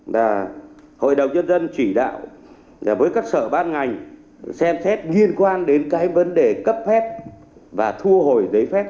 là hội đồng nhân dân chỉ đạo với các sở ban ngành xem xét liên quan đến cái vấn đề cấp phép và thu hồi giấy phép